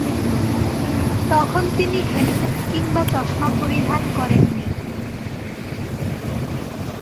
তখন তিনি হেলমেট কিংবা চশমা পরিধান করেননি।